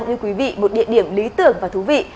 như quý vị một địa điểm lý tưởng và thú vị